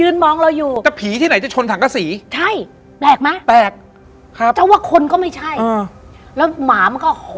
อือมันแปลกมาก